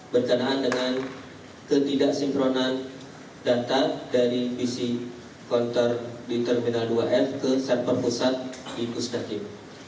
berkenaan dengan ketidaksinkronan data dari visi kontor di terminal dua f ke sampel pusat di pusat tim